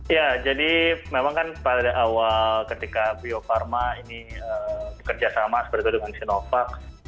ya jadi memang kan pada awal ketika bio farma ini bekerja sama seperti itu dengan sinovac